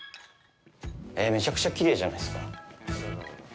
めちゃくちゃきれいじゃないですか。